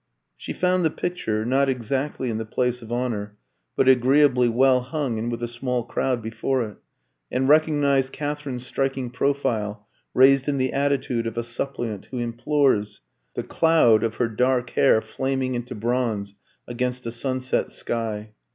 She found the picture (not exactly in the place of honour, but agreeably well hung and with a small crowd before it), and recognised Katherine's striking profile raised in the attitude of a suppliant who implores, the cloud of her dark hair flaming into bronze against a sunset sky.